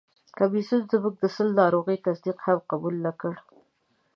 کمیسیون زموږ د سِل ناروغي تصدیق هم قبول نه کړ.